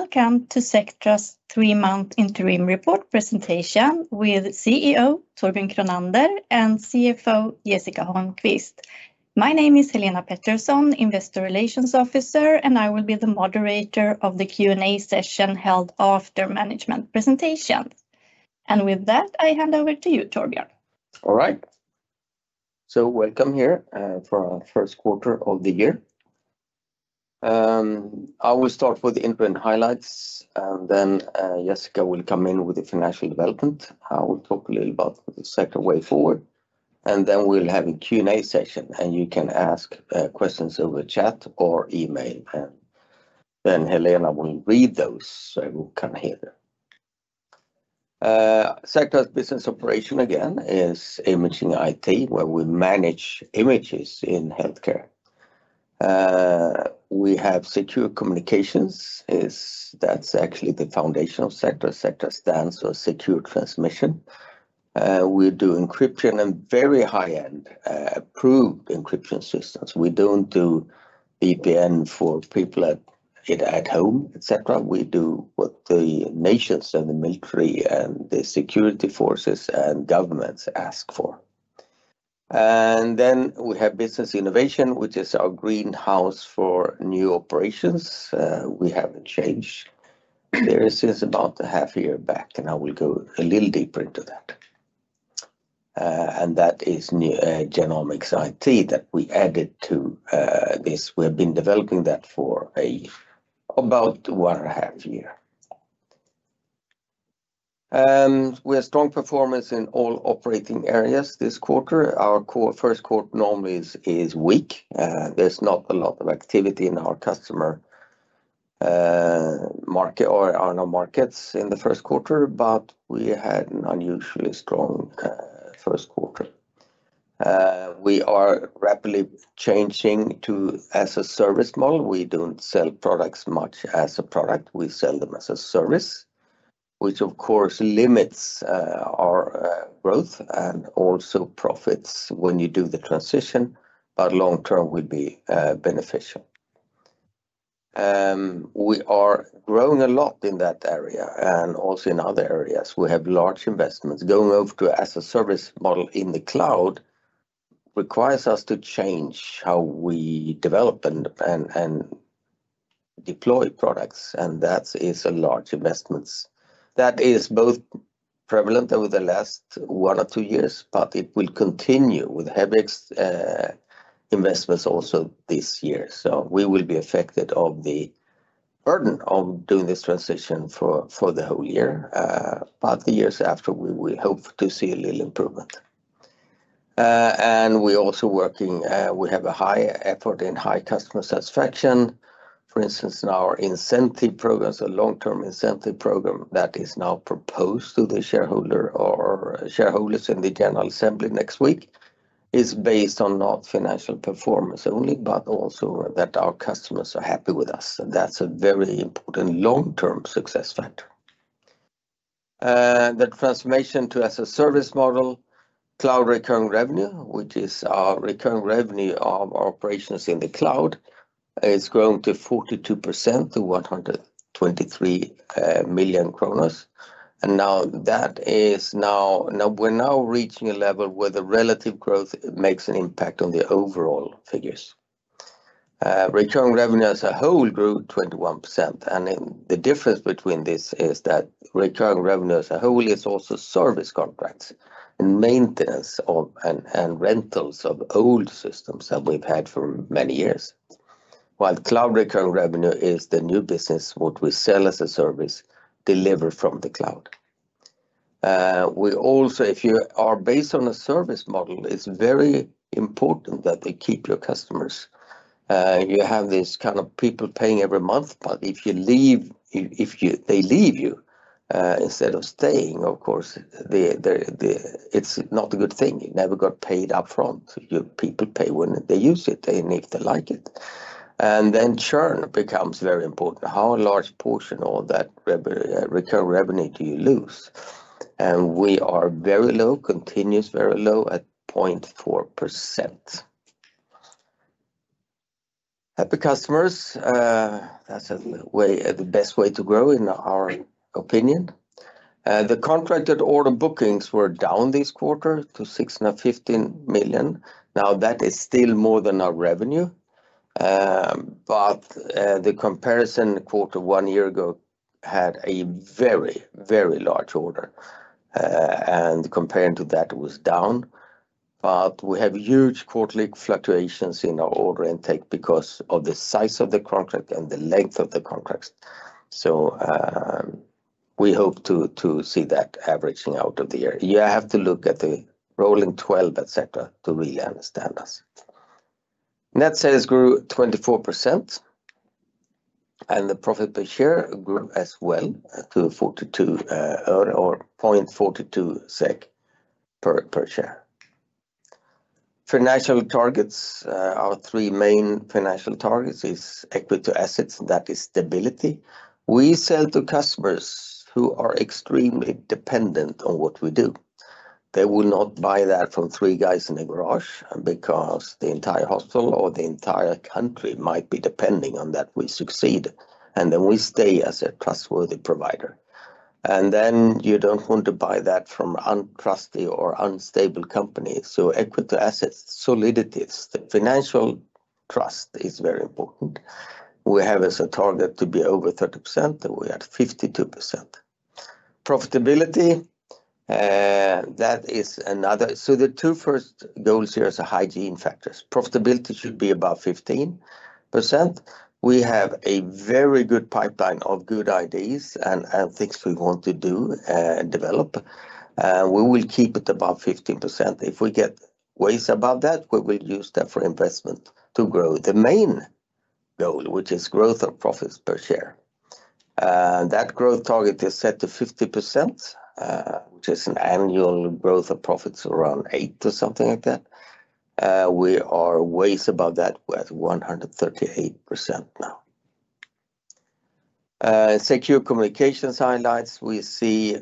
Welcome to Sectra's three-month interim report presentation with CEO Torbjörn Kronander and CFO Jessica Holmqvist. My name is Helena Pettersson, Investor Relations Officer, and I will be the moderator of the Q&A session held after management presentation. And with that, I hand over to you, Torbjörn. All right, so welcome here for our first quarter of the year. I will start with the interim highlights, and then, Jessica will come in with the financial development. I will talk a little about the Sectra way forward, and then we'll have a Q&A session, and you can ask questions over chat or email, and then Helena will read those, so we'll come here. Sectra's business operation, again, is Imaging IT, where we manage images in healthcare. We have Secure Communications, that's actually the foundation of Sectra. Sectra stands for secured transmission. We do encryption and very high-end, approved encryption systems. We don't do VPN for people at home, et cetera. We do what the nations and the military, and the security forces and governments ask for. And then we have Business Innovation, which is our greenhouse for new operations. We have a change. It's about a half year back, and I will go a little deeper into that. And that is new Genomics IT that we added to this. We have been developing that for about one and a half year. We have strong performance in all operating areas this quarter. Our first quarter normally is weak. There's not a lot of activity in our customer market or on our markets in the first quarter, but we had an unusually strong first quarter. We are rapidly changing to as-a-service model. We don't sell products much as a product. We sell them as a service, which, of course, limits our growth and also profits when you do the transition, but long term will be beneficial. We are growing a lot in that area and also in other areas. We have large investments. Going over to as-a-service model in the cloud requires us to change how we develop and deploy products, and that is a large investments. That is both prevalent over the last one or two years, but it will continue with heavy investments also this year. So we will be affected of the burden of doing this transition for the whole year, but the years after, we will hope to see a little improvement, and we're also working, we have a high effort in high customer satisfaction. For instance, in our incentive programs, a long-term incentive program that is now proposed to the shareholder or shareholders in the general assembly next week, is based on not financial performance only, but also that our customers are happy with us, and that's a very important long-term success factor. That transformation to as-a-service model, cloud recurring revenue, which is our recurring revenue of our operations in the cloud, is growing to 42%, to 123 million. And now that is... Now, we're reaching a level where the relative growth makes an impact on the overall figures. Recurring revenue as a whole grew 21%, and the difference between this is that recurring revenue as a whole is also service contracts and maintenance of, and rentals of old systems that we've had for many years. While cloud recurring revenue is the new business, what we sell as a service delivered from the cloud. We also, if you are based on a service model, it's very important that you keep your customers. You have these kind of people paying every month, but if you leave, they leave you, instead of staying, of course, it's not a good thing. You never got paid upfront. Your people pay when they use it, and if they like it. And then churn becomes very important. How large portion of that recurring revenue do you lose? And we are very low, continues very low at 0.4%. Happy customers, that's a way, the best way to grow, in our opinion. The contracted order bookings were down this quarter to 16, 15 million. Now, that is still more than our revenue, but the comparison quarter one year ago had a very, very large order, and comparing to that, it was down. But we have huge quarterly fluctuations in our order intake because of the size of the contract and the length of the contracts. So, we hope to see that averaging out of the year. You have to look at the rolling 12 at Sectra to really understand us. Net sales grew 24%, and the profit per share grew as well to 0.42 SEK per share. Financial targets, our three main financial targets is equity to assets, that is stability. We sell to customers who are extremely dependent on what we do. They will not buy that from three guys in a garage because the entire hospital or the entire country might be depending on that we succeed, and then we stay as a trustworthy provider. Then you don't want to buy that from untrustworthy or unstable companies. Equity to assets, solidity, the financial trust is very important. We have as a target to be over 30%, and we are at 52%. Profitability, that is another. So the two first goals here is hygiene factors. Profitability should be above 15%. We have a very good pipeline of good ideas and things we want to do, and develop. We will keep it above 15%. If we get ways above that, we will use that for investment to grow the main goal, which is growth of profits per share. That growth target is set to 50%, which is an annual growth of profits around eight or something like that. We are way above that, we're at 138% now. Secure Communications highlights, we see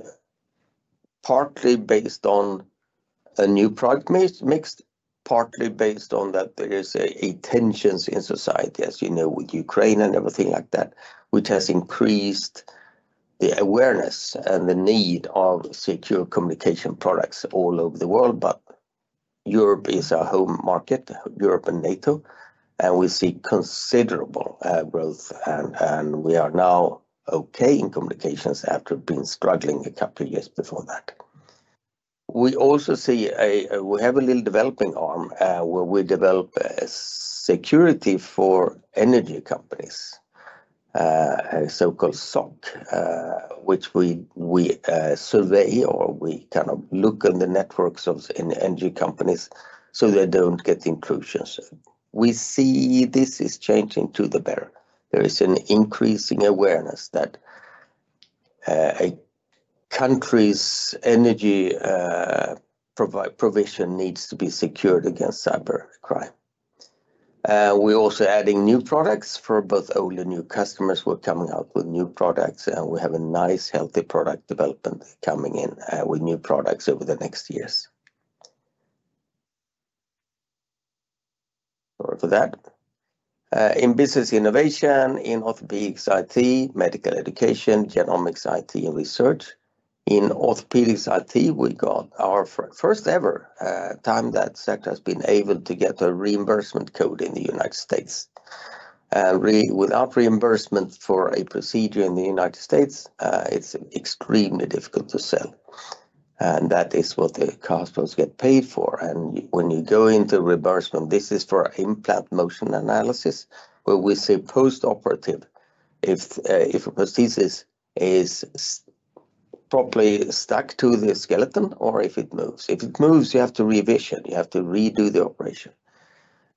partly based on a new product mixed, partly based on that there is a tensions in society, as you know, with Ukraine and everything like that, which has increased the awareness and the need of secure communication products all over the world. But Europe is our home market, Europe and NATO, and we see considerable growth, and we are now okay in communications after being struggling a couple of years before that. We also see, we have a little developing arm, where we develop a security for energy companies, a so-called SOC, which we survey or we kind of look on the networks of the energy companies, so they don't get intrusions. We see this is changing to the better. There is an increasing awareness that a country's energy provision needs to be secured against cybercrime. We're also adding new products for both old and new customers. We're coming out with new products, and we have a nice, healthy product development coming in, with new products over the next years. Sorry for that. In Business Innovation, in Orthopedics IT, Medical Education, Genomics IT and Research. In Orthopedics IT, we got our first ever time that sector has been able to get a reimbursement code in the United States. Without reimbursement for a procedure in the United States, it's extremely difficult to sell, and that is what the customers get paid for. And when you go into reimbursement, this is for implant motion analysis, where we say post-operative, if, if a prosthesis is properly stuck to the skeleton or if it moves. If it moves, you have to revision, you have to redo the operation.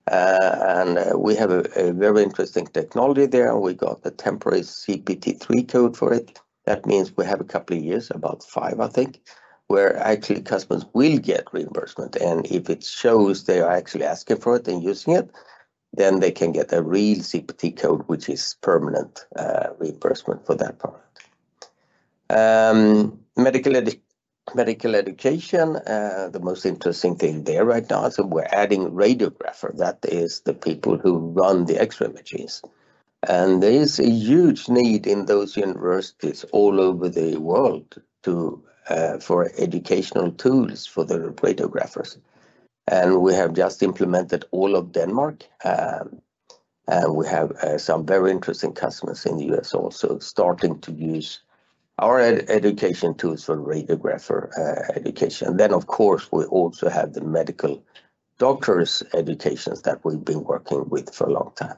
And we have a very interesting technology there, and we got the temporary CPT III code for it. That means we have a couple of years, about five, I think, where actually customers will get reimbursement, and if it shows they are actually asking for it and using it, then they can get a real CPT code, which is permanent reimbursement for that product. Medical education, the most interesting thing there right now, so we're adding radiographer. That is the people who run the X-ray machines. There is a huge need in those universities all over the world for educational tools for the radiographers. We have just implemented all of Denmark, and we have some very interesting customers in the U.S. also starting to use our education tools for radiographer education. Then, of course, we also have the medical doctors' educations that we've been working with for a long time.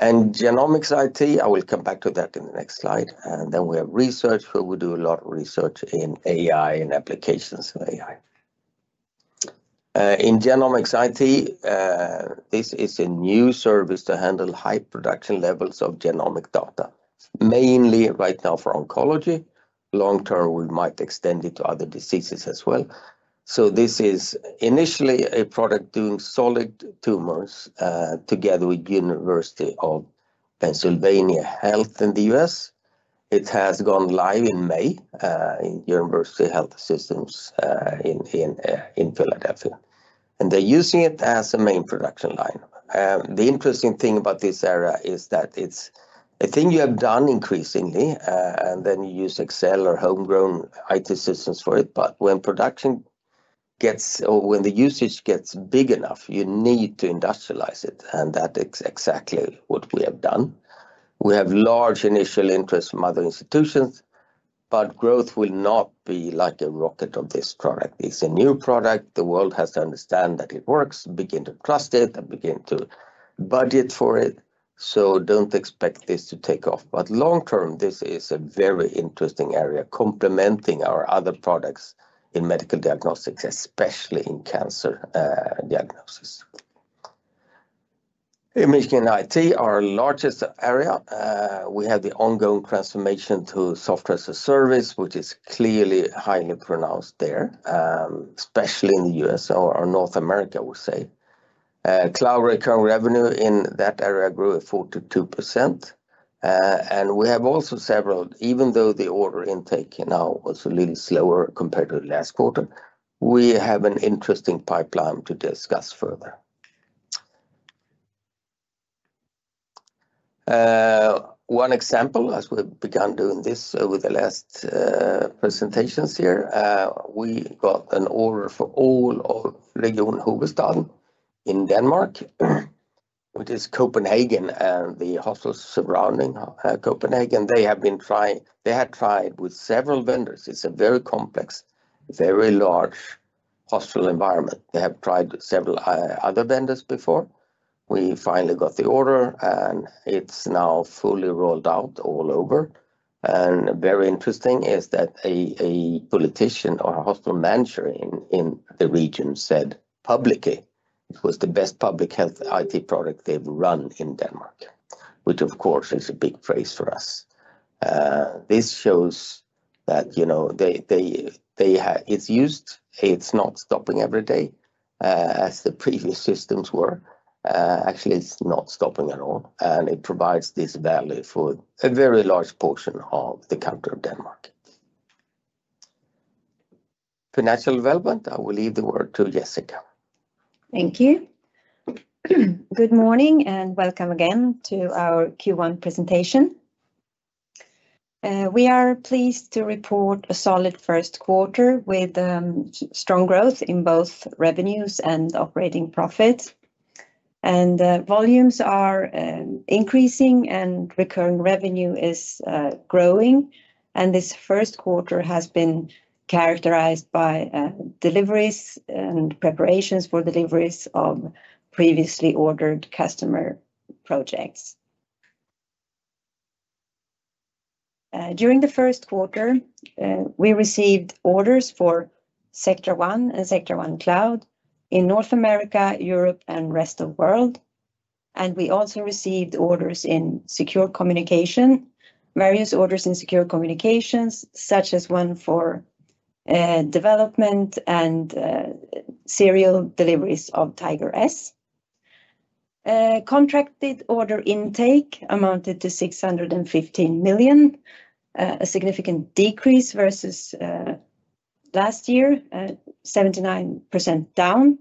Genomics IT, I will come back to that in the next slide. And then we have research, where we do a lot of research in AI and applications of AI. In Genomics IT, this is a new service to handle high production levels of genomic data, mainly right now for oncology. Long term, we might extend it to other diseases as well. So this is initially a product doing solid tumors, together with University of Pennsylvania Health System in the U.S. It has gone live in May in University of Pennsylvania Health System in Philadelphia. And they're using it as a main production line. The interesting thing about this area is that it's a thing you have done increasingly, and then you use Excel or homegrown IT systems for it. But when production gets or when the usage gets big enough, you need to industrialize it, and that is exactly what we have done. We have large initial interest from other institutions, but growth will not be like a rocket of this product. It's a new product. The world has to understand that it works, begin to trust it, and begin to budget for it. So don't expect this to take off. But long term, this is a very interesting area, complementing our other products in medical diagnostics, especially in cancer, diagnosis. Imaging and IT, our largest area, we have the ongoing transformation to software as a service, which is clearly highly pronounced there, especially in the U.S. or North America, we say. Cloud recurring revenue in that area grew at 42%. And we have also several, even though the order intake, you know, was a little slower compared to last quarter, we have an interesting pipeline to discuss further. One example, as we've begun doing this over the last presentations here, we got an order for all of Region Hovedstaden in Denmark, which is Copenhagen and the hospitals surrounding Copenhagen. They have been trying. They had tried with several vendors. It's a very complex, very large hospital environment. They have tried several other vendors before. We finally got the order, and it's now fully rolled out all over. And very interesting is that a politician or a hospital manager in the region said publicly, it was the best public health IT product they've run in Denmark, which, of course, is a big praise for us. This shows that, you know, it's used, it's not stopping every day, as the previous systems were. Actually, it's not stopping at all, and it provides this value for a very large portion of the country of Denmark. Financial development, I will leave the word to Jessica. Thank you. Good morning, and welcome again to our Q1 presentation. We are pleased to report a solid first quarter with strong growth in both revenues and operating profits, and volumes are increasing and recurring revenue is growing, and this first quarter has been characterized by deliveries and preparations for deliveries of previously ordered customer projects. During the first quarter, we received orders for Sectra One and Sectra One Cloud in North America, Europe, and rest of world, and we also received orders in secure communication, various orders in secure communications, such as one for development and serial deliveries of Tiger S. Contracted order intake amounted to 615 million, a significant decrease versus last year, 79% down.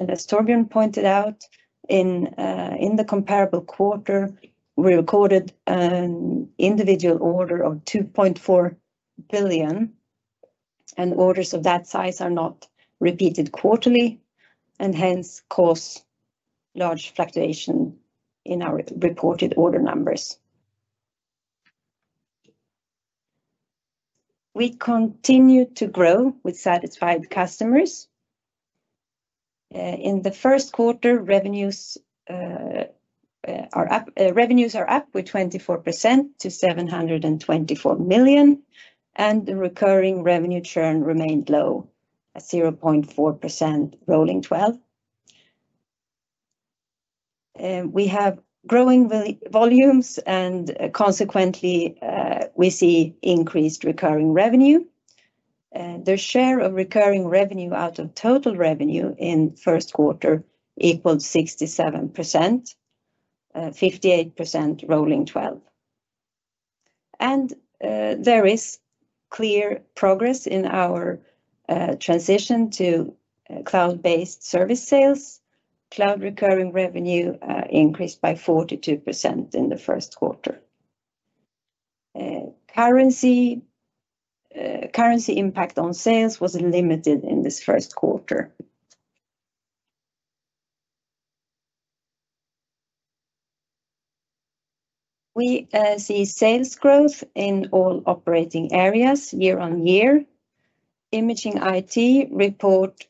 As Torbjörn pointed out, in the comparable quarter, we recorded an individual order of 2.4 billion, and orders of that size are not repeated quarterly, and hence, cause large fluctuation in our reported order numbers. We continue to grow with satisfied customers. In the first quarter, revenues are up with 24% to 724 million, and the recurring revenue churn remained low at 0.4%, rolling 12. We have growing volumes, and consequently, we see increased recurring revenue. The share of recurring revenue out of total revenue in first quarter equals 67%, 58% rolling 12. There is clear progress in our transition to cloud-based service sales. Cloud recurring revenue increased by 42% in the first quarter. Currency impact on sales was limited in this first quarter. We see sales growth in all operating areas year on year. Imaging IT reported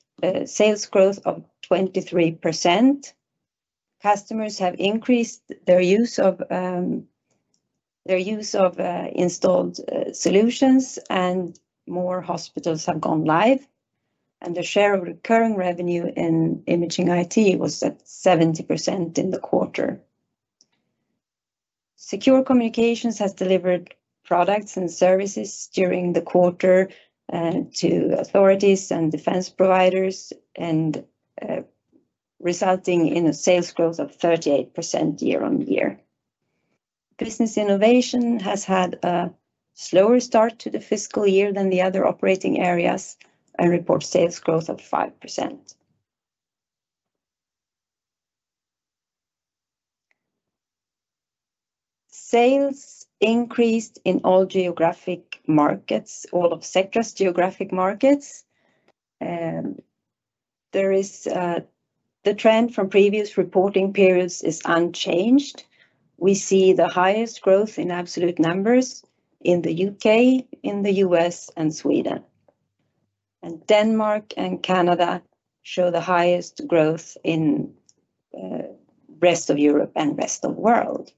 sales growth of 23%. Customers have increased their use of installed solutions, and more hospitals have gone live, and their share of recurring revenue in Imaging IT was at 70% in the quarter. Secure Communications has delivered products and services during the quarter to authorities and defense providers, and resulting in a sales growth of 38% year on year. Business Innovation has had a slower start to the fiscal year than the other operating areas and reported sales growth of 5%. Sales increased in all geographic markets, all of Sectra's geographic markets, and there is the trend from previous reporting periods is unchanged. We see the highest growth in absolute numbers in the U.K., in the U.S., and Sweden, and Denmark and Canada show the highest growth in rest of Europe and rest of world.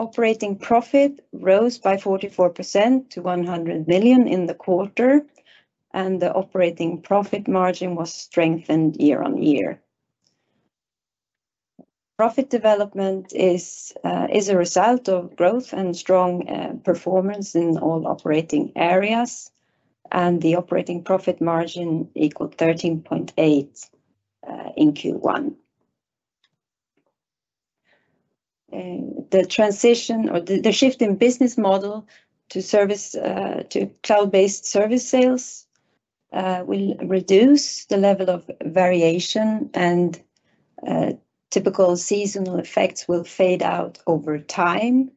Operating profit rose by 44% to 100 million in the quarter, and the operating profit margin was strengthened year on year. Profit development is a result of growth and strong performance in all operating areas, and the operating profit margin equaled 13.8% in Q1. The transition or the shift in business model to service to cloud-based service sales will reduce the level of variation and typical seasonal effects will fade out over time,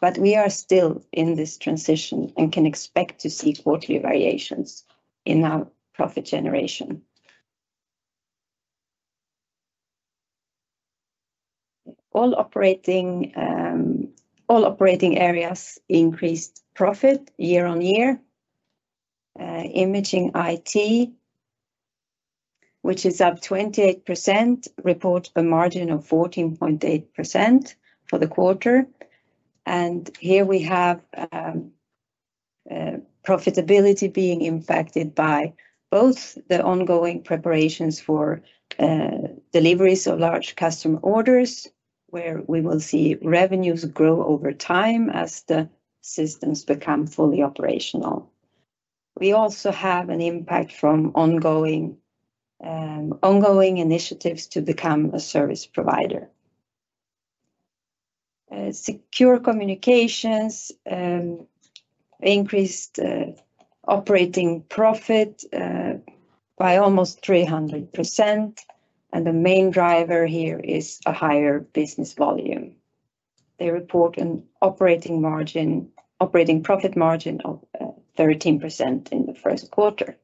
but we are still in this transition and can expect to see quarterly variations in our profit generation. All operating areas increased profit year-on-year. Imaging IT, which is up 28%, reports a margin of 14.8% for the quarter. Here we have profitability being impacted by both the ongoing preparations for deliveries of large customer orders, where we will see revenues grow over time as the systems become fully operational. We also have an impact from ongoing initiatives to become a service provider. Secure Communications increased operating profit by almost 300%, and the main driver here is a higher business volume. They report an operating margin, operating profit margin of 13% in the first quarter.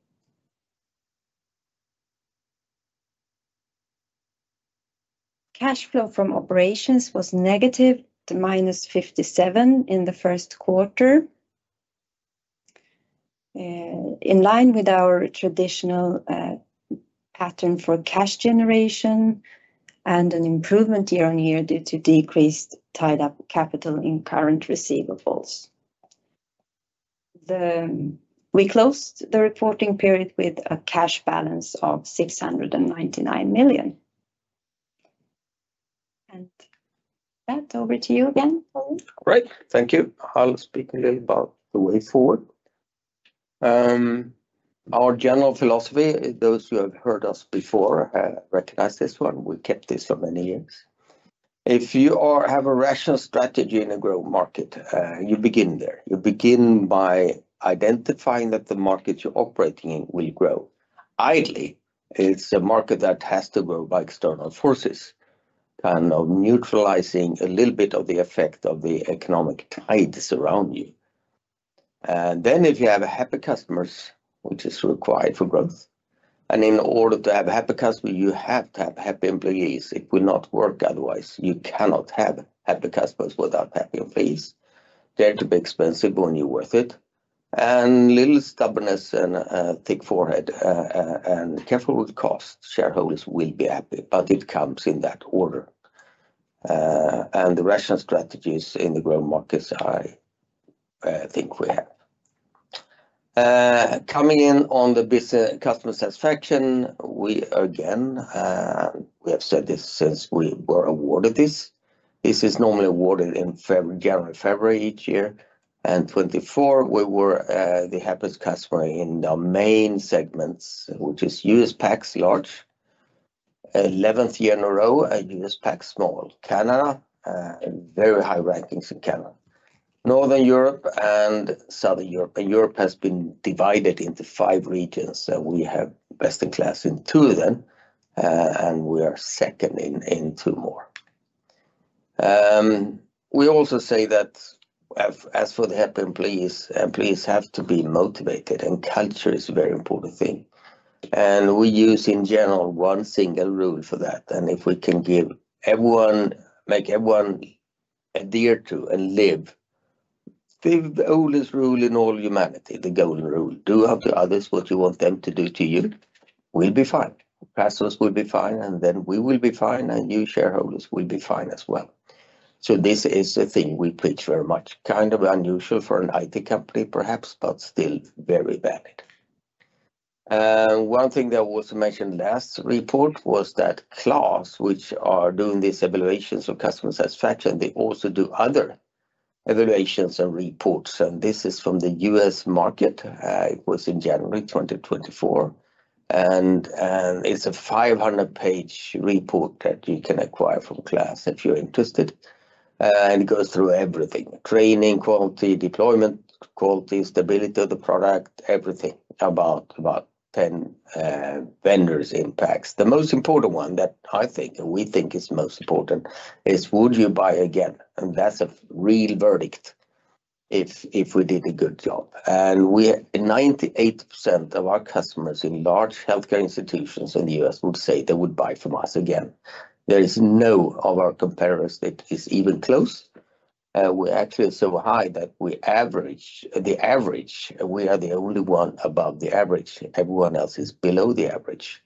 Cash flow from operations was negative to -57 in the first quarter, in line with our traditional pattern for cash generation, and an improvement year on year due to decreased tied up capital in current receivables. We closed the reporting period with a cash balance of 699 million, and that, over to you again, Torbjörn. Great, thank you. I'll speak a little about the way forward. Our general philosophy, those who have heard us before recognize this one. We kept this for many years. If you have a rational strategy in a growth market, you begin there. You begin by identifying that the market you're operating in will grow. Ideally, it's a market that has to grow by external forces, kind of neutralizing a little bit of the effect of the economic tides around you, and then, if you have happy customers, which is required for growth, and in order to have happy customers, you have to have happy employees, it will not work otherwise. You cannot have happy customers without happy employees. Dare to be expensive when you're worth it, and little stubbornness and a thick forehead, and careful with cost, shareholders will be happy, but it comes in that order. And the rational strategies in the growth markets I think we have. Coming in on customer satisfaction, we again we have said this since we were awarded this. This is normally awarded in February, January, February each year, and 2024, we were the happiest customer in the main segments, which is U.S. PACS Large, 11th year in a row, and U.S. PACS Small. Canada, very high rankings in Canada. Northern Europe and Southern Europe, and Europe has been divided into five regions, so we have Best in KLAS in two of them, and we are second in two more. We also say that as, as for the happy employees, employees have to be motivated, and culture is a very important thing, and we use, in general, one single rule for that. If we can give everyone, make everyone adhere to and live the oldest rule in all humanity, the golden rule, do unto others what you want them to do to you, we'll be fine. Customers will be fine, and then we will be fine, and you shareholders will be fine as well, so this is the thing we preach very much, kind of unusual for an IT company, perhaps, but still very valid. One thing that was mentioned last report was that KLAS, which are doing these evaluations of customer satisfaction, they also do other evaluations and reports, and this is from the U.S. market. It was in January 2024, and it's a 500-page report that you can acquire from KLAS if you're interested. It goes through everything: training, quality, deployment, quality, stability of the product, everything about 10 vendors in PACS. The most important one that I think and we think is most important is, would you buy again? And that's a real verdict if we did a good job. And 98% of our customers in large healthcare institutions in the U.S. would say they would buy from us again. There is none of our competitors that is even close. We're actually so high that we average, the average, we are the only one above the average. Everyone else is below the average.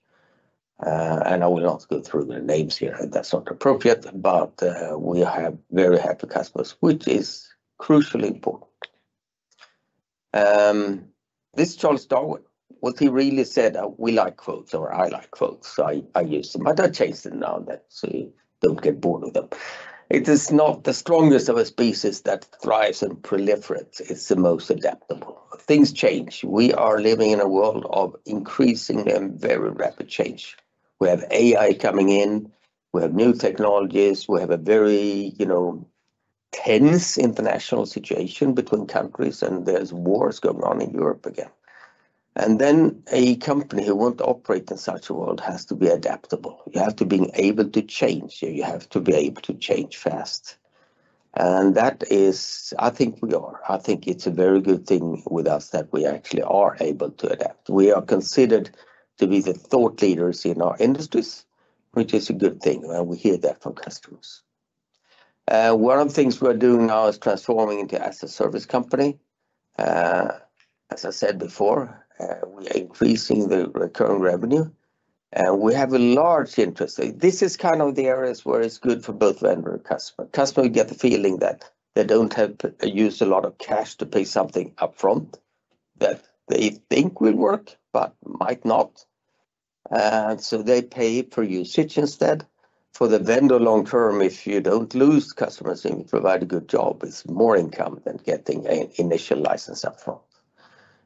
I will not go through the names here, that's not appropriate, but we have very happy customers, which is crucially important. This is Charles Darwin. What he really said, we like quotes or I like quotes, so I use them. I do change them now and then, so you don't get bored with them. "It is not the strongest of a species that thrives and proliferates, it's the most adaptable." Things change. We are living in a world of increasingly and very rapid change. We have AI coming in, we have new technologies, we have a very, you know, tense international situation between countries, and there's wars going on in Europe again, and then a company who want to operate in such a world has to be adaptable. You have to be able to change, you have to be able to change fast. That is, I think we are. I think it's a very good thing with us that we actually are able to adapt. We are considered to be the thought leaders in our industries, which is a good thing, and we hear that from customers. One of the things we're doing now is transforming into an asset-light service company. As I said before, we are increasing the recurring revenue, and we have a large interest. This is kind of the areas where it's good for both vendor and customer. Customer get the feeling that they don't have to use a lot of cash to pay something upfront that they think will work, but might not. And so they pay for usage instead. For the vendor long term, if you don't lose customers and you provide a good job, it's more income than getting an initial license up front.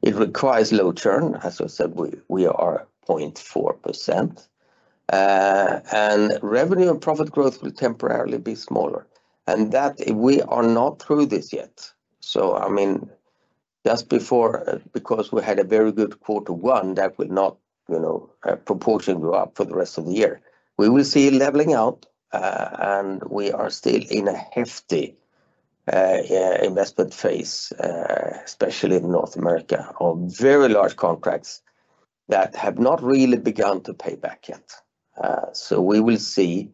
It requires low churn. As I said, we are at 0.4%. And revenue and profit growth will temporarily be smaller, and that we are not through this yet. So, I mean, just before, because we had a very good quarter one, that would not, you know, proportionally go up for the rest of the year. We will see a leveling out, and we are still in a hefty investment phase, especially in North America, of very large contracts that have not really begun to pay back yet. So we will see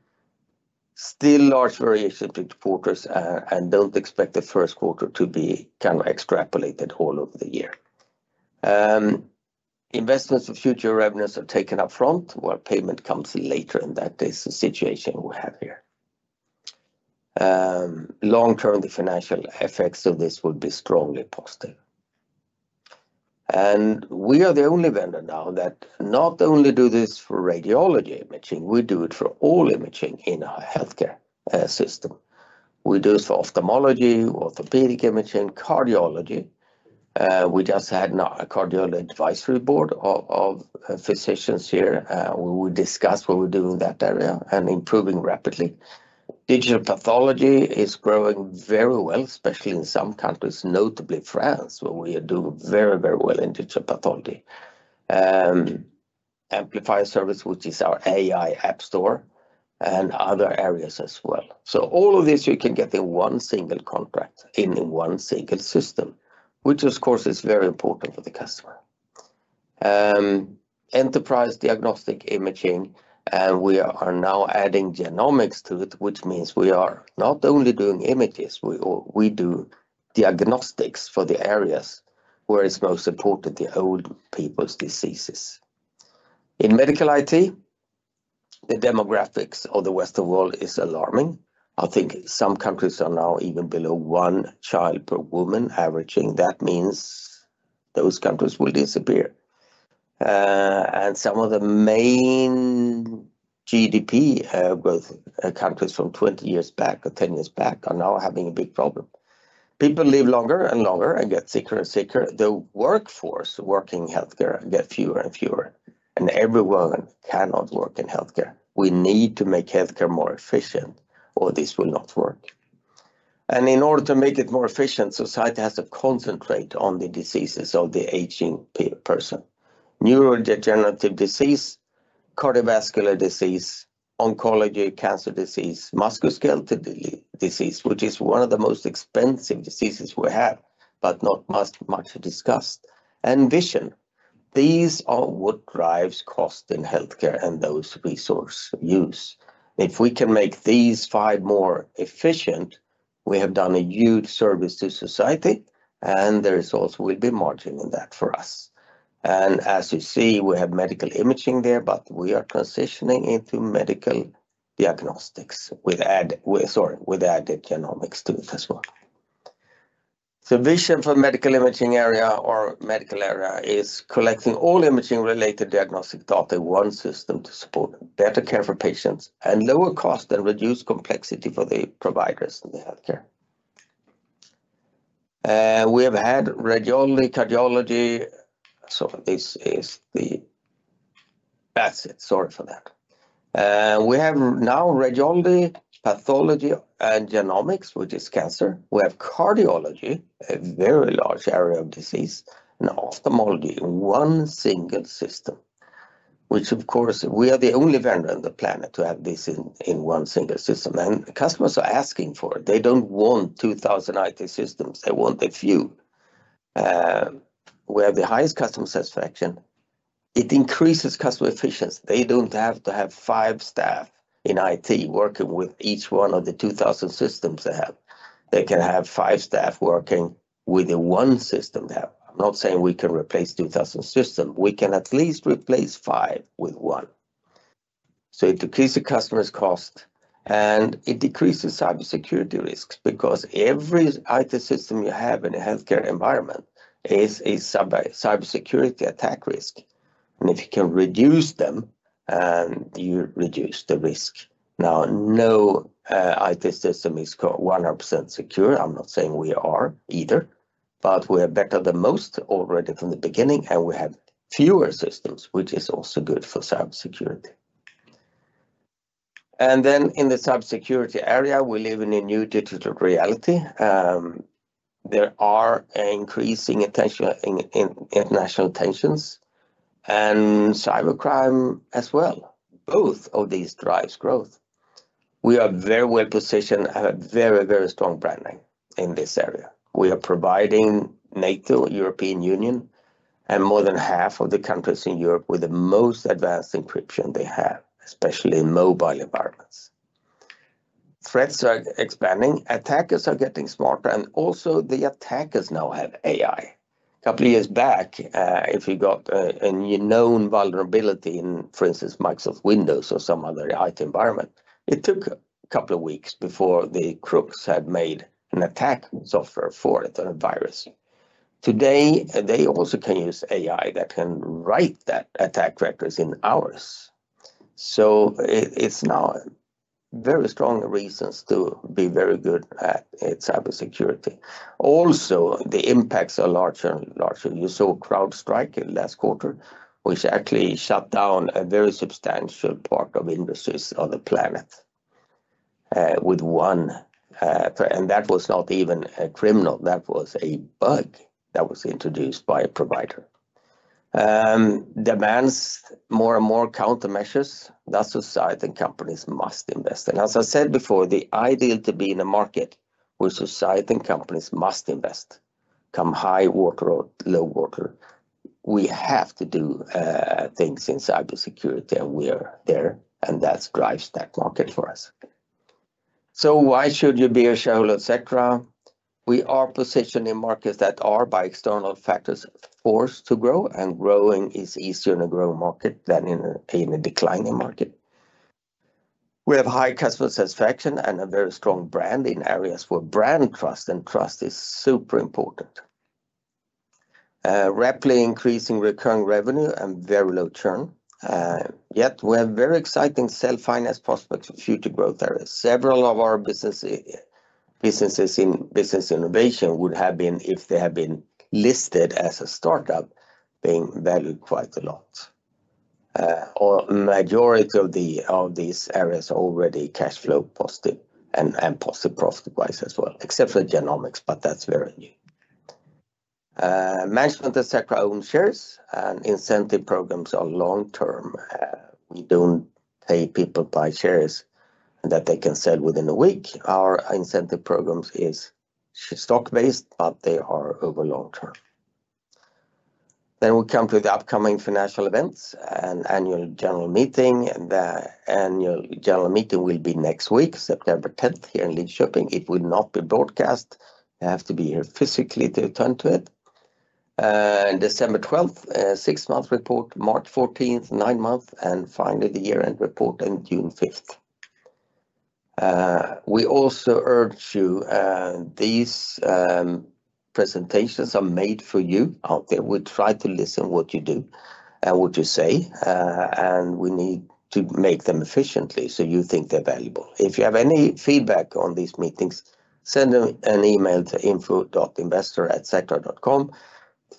still large variation between quarters, and don't expect the first quarter to be kind of extrapolated all over the year. Investments of future revenues are taken up front, while payment comes in later, and that is the situation we have here. Long term, the financial effects of this would be strongly positive, and we are the only vendor now that not only do this for radiology imaging, we do it for all imaging in a healthcare system. We do this for ophthalmology, orthopedic imaging, cardiology. We just had now a cardiology advisory board of physicians here, where we discuss what we do in that area and improving rapidly. Digital pathology is growing very well, especially in some countries, notably France, where we do very, very well in digital pathology. Amplifier service, which is our AI app store and other areas as well, so all of this, you can get in one single contract, in one single system, which of course, is very important for the customer. Enterprise diagnostic imaging, and we are now adding genomics to it, which means we are not only doing images, we do diagnostics for the areas where it's most important, the old people's diseases. In medical IT, the demographics of the Western world is alarming. I think some countries are now even below one child per woman, averaging. That means those countries will disappear, and some of the main GDP growth countries from 20 years back or 10 years back are now having a big problem. People live longer and longer and get sicker and sicker. The workforce working in healthcare get fewer and fewer, and everyone cannot work in healthcare. We need to make healthcare more efficient, or this will not work, and in order to make it more efficient, society has to concentrate on the diseases of the aging person. Neurodegenerative disease, cardiovascular disease, oncology, cancer disease, musculoskeletal disease, which is one of the most expensive diseases we have, but not much, much discussed, and vision. These are what drives cost in healthcare and those resource use. If we can make these five more efficient, we have done a huge service to society, and the results will be margin in that for us. As you see, we have medical imaging there, but we are transitioning into medical diagnostics with added genomics to it as well. The vision for medical imaging area or medical area is collecting all imaging-related diagnostic data in one system to support better care for patients and lower cost and reduce complexity for the providers in the healthcare. We have had radiology, cardiology. We have now radiology, pathology, and genomics, which is cancer. We have cardiology, a very large area of disease, and ophthalmology, in one single system, which, of course, we are the only vendor on the planet to have this in one single system, and customers are asking for it. They don't want 2,000 IT systems; they want a few. We have the highest customer satisfaction. It increases customer efficiency. They don't have to have five staff in IT working with each one of the 2,000 systems they have. They can have five staff working with the one system they have. I'm not saying we can replace 2,000 systems. We can at least replace five with one. So it decreases customers' cost, and it decreases cybersecurity risks because every IT system you have in a healthcare environment is a cybersecurity attack risk. And if you can reduce them, you reduce the risk. Now, no IT system is 100% secure. I'm not saying we are either, but we are better than most already from the beginning, and we have fewer systems, which is also good for cybersecurity. And then in the cybersecurity area, we live in a new digital reality. There are increasing attention in international tensions and cybercrime as well. Both of these drives growth. We are very well positioned and have very, very strong branding in this area. We are providing NATO, European Union, and more than half of the countries in Europe with the most advanced encryption they have, especially in mobile environments. Threats are expanding, attackers are getting smarter, and also the attackers now have AI. A couple of years back, if you got a known vulnerability in, for instance, Microsoft Windows or some other IT environment, it took a couple of weeks before the crooks had made an attack software for it or a virus. Today, they also can use AI that can write that attack vectors in hours. So it, it's now very strong reasons to be very good at cybersecurity. Also, the impacts are larger and larger. You saw CrowdStrike in last quarter, which actually shut down a very substantial part of industries on the planet, with one, and that was not even a criminal, that was a bug that was introduced by a provider. Demands more and more countermeasures that society and companies must invest in. As I said before, the ideal to be in a market where society and companies must invest, come high water or low water. We have to do things in cybersecurity, and we are there, and that drives that market for us. So why should you be a shareholder of Sectra? We are positioned in markets that are, by external factors, forced to grow, and growing is easier in a growing market than in a declining market. We have high customer satisfaction and a very strong brand in areas where brand trust and trust is super important. Rapidly increasing recurring revenue and very low churn. Yet we have very exciting self-finance prospects for future growth areas. Several of our businesses in business innovation would have been, if they have been listed as a startup, being valued quite a lot. Or majority of these areas are already cash flow positive and positive profit-wise as well, except for genomics, but that's very new. Management of Sectra own shares and incentive programs are long term. We don't pay people by shares that they can sell within a week. Our incentive programs is stock-based, but they are over long term. Then we come to the upcoming financial events and annual general meeting, and the annual general meeting will be next week, September 10th, here in Linköping. It will not be broadcast. You have to be here physically to attend to it. December 12th, six-month report, March 14th, nine-month, and finally, the year-end report on June fifth. We also urge you, these presentations are made for you out there. We try to listen what you do and what you say, and we need to make them efficiently so you think they're valuable. If you have any feedback on these meetings, send an email to info.investor@sectra.com.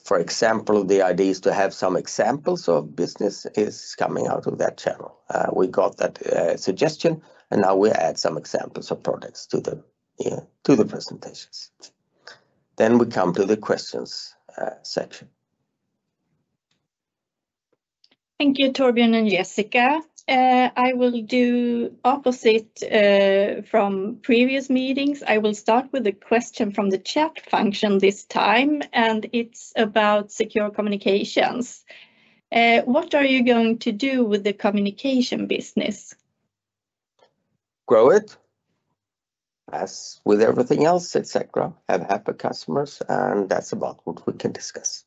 For example, the idea is to have some examples of business is coming out of that channel. We got that suggestion, and now we add some examples of products to the presentations. Then we come to the questions section. Thank you, Torbjörn and Jessica. I will do opposite from previous meetings. I will start with a question from the chat function this time, and it's about Secure Communications. What are you going to do with the communication business? Grow it. As with everything else at Sectra, have happy customers, and that's about what we can discuss.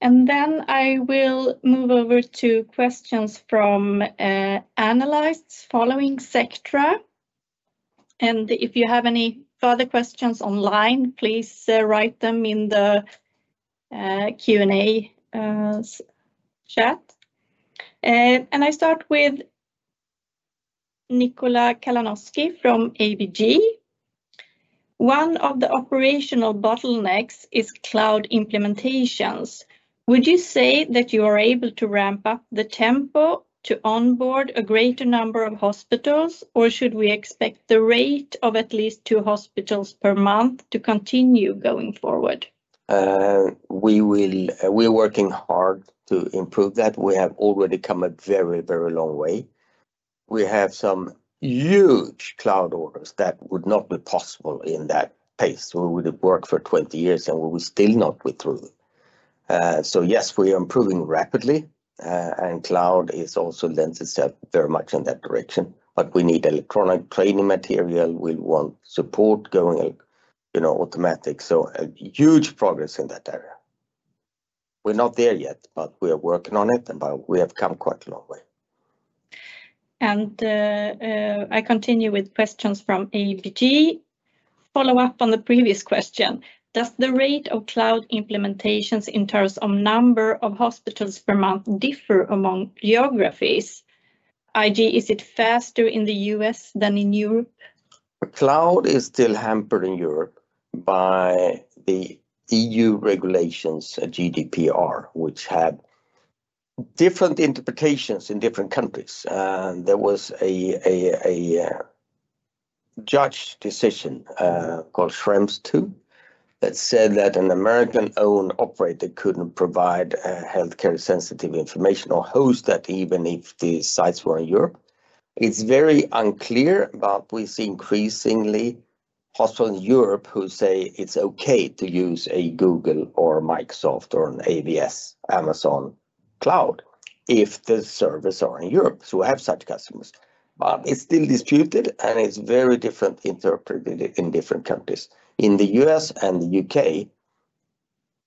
Then I will move over to questions from analysts following Sectra. If you have any further questions online, please write them in the Q&A chat. I start with Nikola Kalanoski from ABG. One of the operational bottlenecks is cloud implementations. Would you say that you are able to ramp up the tempo to onboard a greater number of hospitals, or should we expect the rate of at least two hospitals per month to continue going forward? We're working hard to improve that. We have already come a very, very long way. We have some huge cloud orders that would not be possible in that pace. We would have worked for 20 years, and we will still not go through. So yes, we are improving rapidly, and cloud is also lends itself very much in that direction, but we need electronic training material. We want support going out, you know, automatic. So a huge progress in that area. We're not there yet, but we are working on it, and but we have come quite a long way. I continue with questions from ABG. Follow up on the previous question, does the rate of cloud implementations in terms of number of hospitals per month differ among geographies? I.e., is it faster in the U.S. than in Europe? The cloud is still hampered in Europe by the EU regulations, GDPR, which had different interpretations in different countries. There was a judge decision called Schrems II that said that an American-owned operator couldn't provide healthcare sensitive information or host that even if the sites were in Europe. It's very unclear, but we see increasingly hospitals in Europe who say it's okay to use a Google or a Microsoft or an AWS, Amazon cloud, if the servers are in Europe. So we have such customers, but it's still disputed, and it's very different interpreted in different countries. In the U.S. and the U.K.,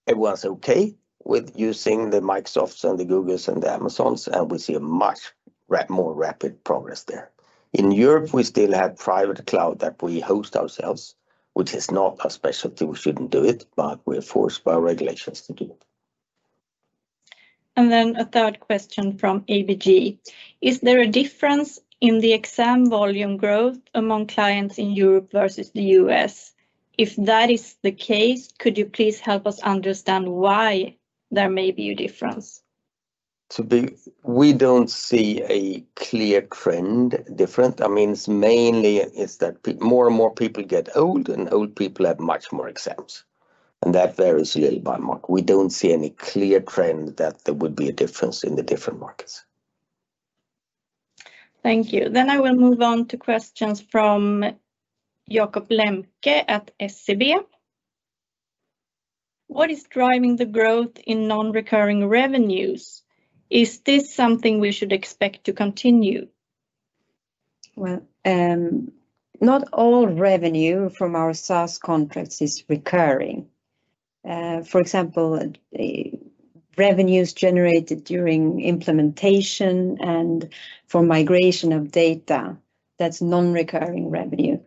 everyone's okay with using the Microsofts and the Googles and the Amazons, and we see a much more rapid progress there. In Europe, we still have private cloud that we host ourselves, which is not a specialty, we shouldn't do it, but we're forced by regulations to do it. And then a third question from ABG. Is there a difference in the exam volume growth among clients in Europe versus the U.S.? If that is the case, could you please help us understand why there may be a difference? We don't see a clear trend different. I mean, it's mainly is that more and more people get old, and old people have much more exams, and that varies a little by market. We don't see any clear trend that there would be a difference in the different markets. Thank you. Then I will move on to questions from Jakob Lembke at SEB. What is driving the growth in non-recurring revenues? Is this something we should expect to continue? Not all revenue from our SaaS contracts is recurring. For example, revenues generated during implementation and for migration of data, that's non-recurring revenue.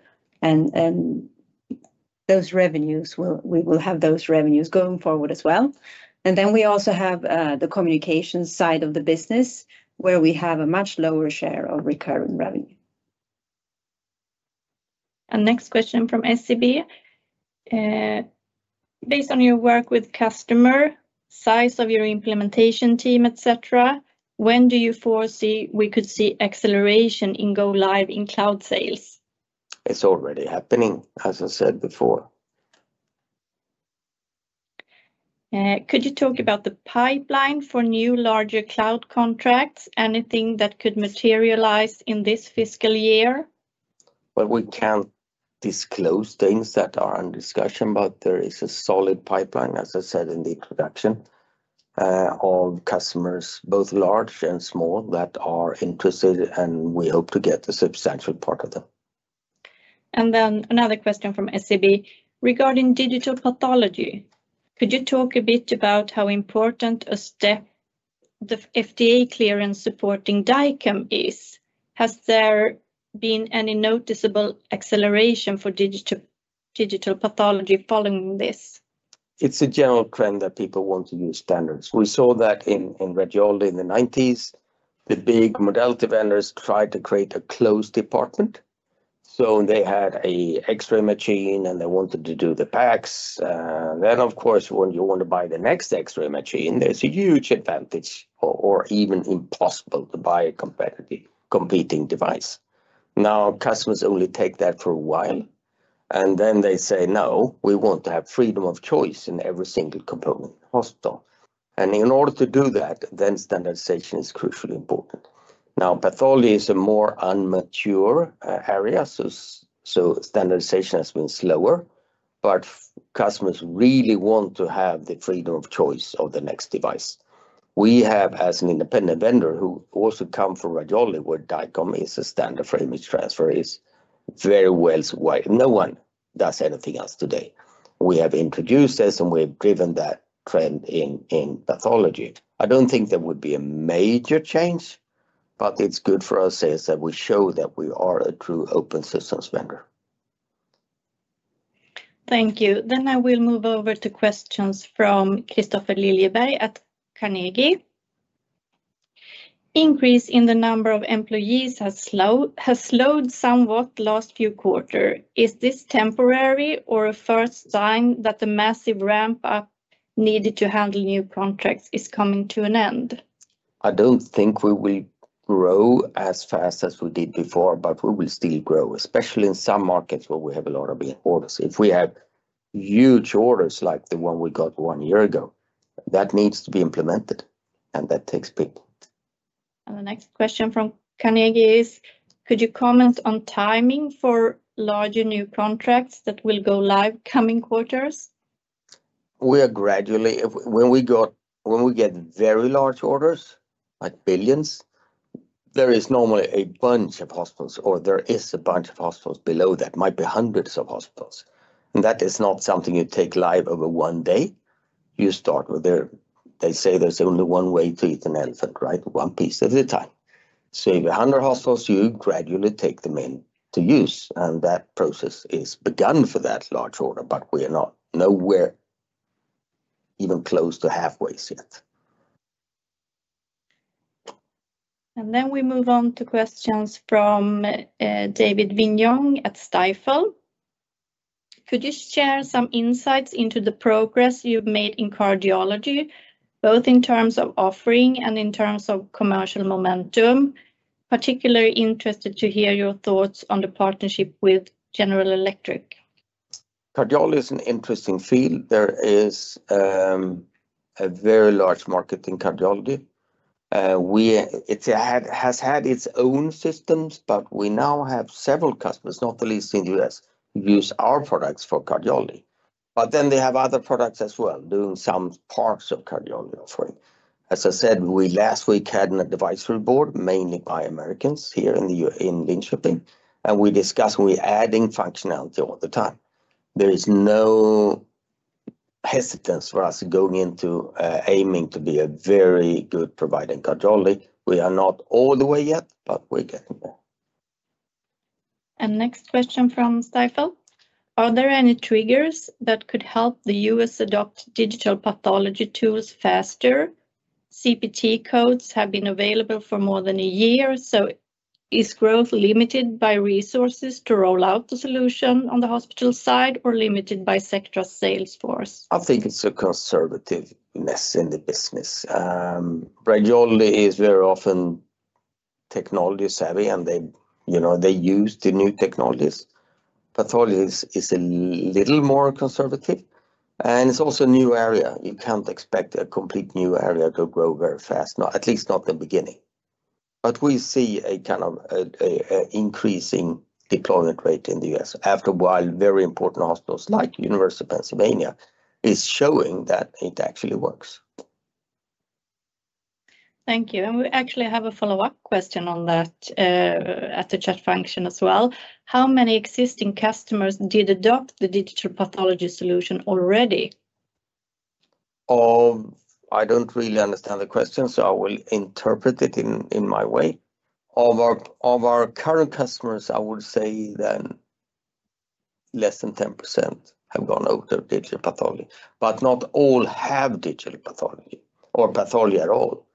Those revenues we will have going forward as well. We also have the communication side of the business, where we have a much lower share of recurring revenue. Next question from SEB. Based on your work with customer, size of your implementation team, et cetera, when do you foresee we could see acceleration in go live in cloud sales? It's already happening, as I said before. Could you talk about the pipeline for new larger cloud contracts? Anything that could materialize in this fiscal year? We can't disclose things that are under discussion, but there is a solid pipeline, as I said in the introduction, of customers, both large and small, that are interested, and we hope to get a substantial part of them. Then another question from SEB. Regarding digital pathology, could you talk a bit about how important a step the FDA clearance supporting DICOM is? Has there been any noticeable acceleration for digital pathology following this? It's a general trend that people want to use standards. We saw that in Radiology in the 90s. The big modality vendors tried to create a closed department. So they had a X-ray machine, and they wanted to do the PACS. Then, of course, when you want to buy the next X-ray machine, there's a huge advantage, or even impossible to buy a competitive, competing device. Now, customers only take that for a while, and then they say, "No, we want to have freedom of choice in every single component, hospital." And in order to do that, then standardization is crucially important. Now, pathology is a more immature area, so standardization has been slower, but customers really want to have the freedom of choice of the next device. We have, as an independent vendor, who also come from radiology, where DICOM is a standard for image transfer, is very well supported. No one does anything else today. We have introduced this, and we've driven that trend in pathology. I don't think there would be a major change, but it's good for us as that we show that we are a true open systems vendor. Thank you. Then I will move over to questions from Kristofer Liljeberg at Carnegie. Increase in the number of employees has slowed somewhat last few quarters. Is this temporary or a first sign that the massive ramp up needed to handle new contracts is coming to an end? I don't think we will grow as fast as we did before, but we will still grow, especially in some markets where we have a lot of big orders. If we have huge orders like the one we got one year ago, that needs to be implemented, and that takes people. The next question from Carnegie is, could you comment on timing for larger new contracts that will go live coming quarters?... We are gradually, when we get very large orders, like billions, there is normally a bunch of hospitals below that, might be hundreds of hospitals. And that is not something you take live over one day. You start with that. They say there's only one way to eat an elephant, right? One piece at a time. So if you have a hundred hospitals, you gradually take them into use, and that process is begun for that large order, but we are not nowhere even close to halfway yet. And then we move on to questions from David Vignon at Stifel. Could you share some insights into the progress you've made in cardiology, both in terms of offering and in terms of commercial momentum? Particularly interested to hear your thoughts on the partnership with General Electric. Cardiology is an interesting field. There is a very large market in cardiology. It's had, has had its own systems, but we now have several customers, not the least in the U.S., who use our products for cardiology. But then they have other products as well, doing some parts of cardiology offering. As I said, we last week had an advisory board, mainly by Americans here in Linköping, and we discussed we're adding functionality all the time. There is no hesitance for us going into aiming to be a very good provider in cardiology. We are not all the way yet, but we're getting there. Next question from Stifel. Are there any triggers that could help the U.S. adopt digital pathology tools faster? CPT codes have been available for more than a year, so is growth limited by resources to roll out the solution on the hospital side, or limited by Sectra sales force? I think it's a conservativeness in the business. Radiology is very often technology savvy, and they, you know, they use the new technologies. Pathology is a little more conservative, and it's also a new area. You can't expect a complete new area to grow very fast, not, at least not the beginning. But we see a kind of increasing deployment rate in the U.S. After a while, very important hospitals, like University of Pennsylvania, is showing that it actually works. Thank you. And we actually have a follow-up question on that at the chat function as well. How many existing customers did adopt the digital pathology solution already? I don't really understand the question, so I will interpret it in my way. Of our current customers, I would say that less than 10% have gone over to digital pathology, but not all have digital pathology or pathology at all.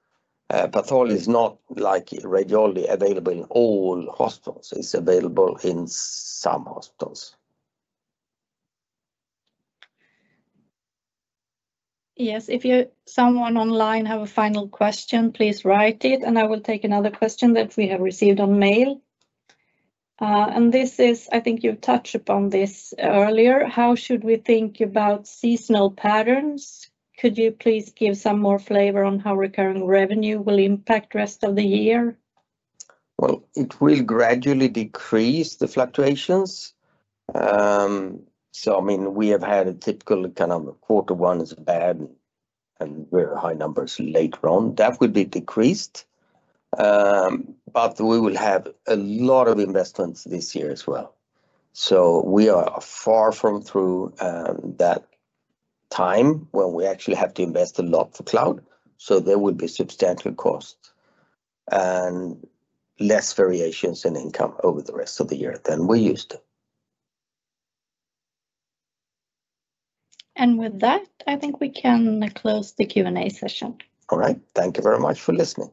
Pathology is not like radiology, available in all hospitals. It's available in some hospitals. Yes, if you, someone online have a final question, please write it, and I will take another question that we have received on mail, and this is, I think you've touched upon this earlier, how should we think about seasonal patterns? Could you please give some more flavor on how recurring revenue will impact the rest of the year? It will gradually decrease the fluctuations. So, I mean, we have had a typical kind of quarter one is bad, and very high numbers later on. That would be decreased, but we will have a lot of investments this year as well. So we are far from through that time when we actually have to invest a lot for cloud, so there would be substantial costs and less variations in income over the rest of the year than we're used to. With that, I think we can close the Q&A session. All right. Thank you very much for listening.